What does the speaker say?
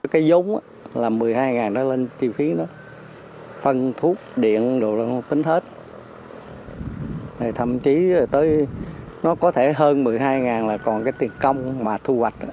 cái giống là một mươi hai đó lên chi phí đó phân thuốc điện đồ đó tính hết thậm chí tới nó có thể hơn một mươi hai là còn cái tiền công mà thu hoạch